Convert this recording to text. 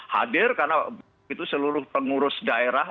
hadir karena itu seluruh pengurus daerah